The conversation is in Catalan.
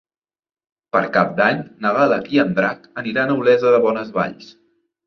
Per Cap d'Any na Gal·la i en Drac aniran a Olesa de Bonesvalls.